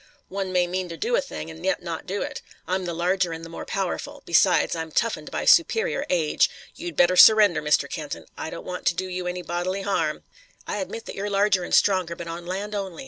"One may mean to do a thing and yet not do it. I'm the larger and the more powerful. Besides, I'm toughened by superior age. You'd better surrender, Mr. Kenton. I don't want to do you any bodily harm." "I admit that you're larger and stronger, but on land only.